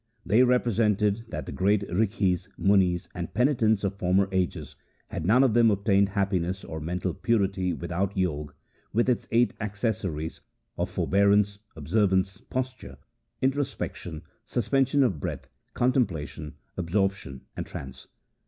They represented that the great Rikhis, Munis, and Penitents of former ages had none of them obtained happiness or mental purity without Jog with its eight accessories of forbearance, observance, pos ture, introspection, suspension of breath, contempla tion, absorption, and trance.